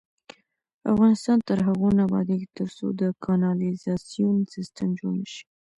افغانستان تر هغو نه ابادیږي، ترڅو د کانالیزاسیون سیستم جوړ نشي.